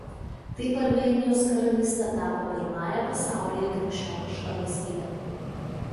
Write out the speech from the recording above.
Taip Armėnijos karalystė tapo pirmąja pasaulyje krikščioniška valstybe.